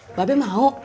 mbak be mau